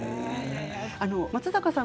松坂さん